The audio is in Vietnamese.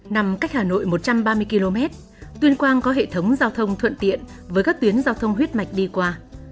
nằm cách hà nội một trăm ba mươi km tuyên quang có hệ thống giao thông thuận tiện với các tuyến giao thông huyết mạch đi qua